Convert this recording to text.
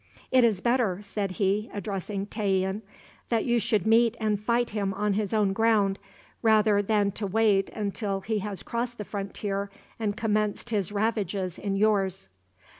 "It is better," said he, addressing Tayian, "that you should meet and fight him on his own ground, rather than to wait until he has crossed the frontier and commenced his ravages in yours."